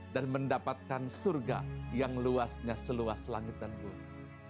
dan mendapatkan surga yang luasnya seluas langit dan bumi